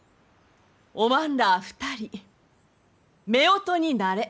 おまんら２人めおとになれ。